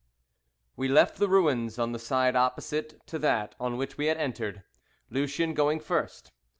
WE left the ruins on the side opposite to that on which we had entered, Lucien going first.